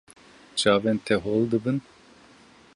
Çavên te hol dibin.